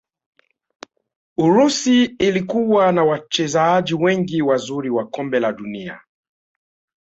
urusi ilikuwa na wachezaji wengi wazuri wa kombe la dunia